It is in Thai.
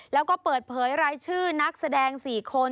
แล้วก็เปิดเผยรายชื่อนักแสดง๔คน